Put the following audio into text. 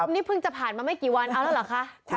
นี่เพิ่งจะผ่านมาไม่กี่วันเอาแล้วเหรอคะ